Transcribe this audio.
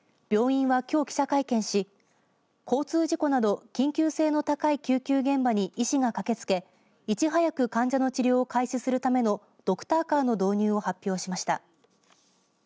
病院は、きょう記者会見し交通事故など緊急性の高い救急現場に医師が駆けつけいち早く患者の治療を開始するためのドクターカーの導入を発表しました。